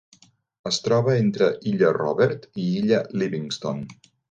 Es troba entre illa Robert i illa Livingston.